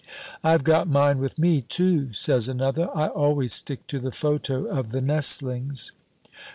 "I've got mine with me, too," says another; "I always stick to the photo of the nestlings."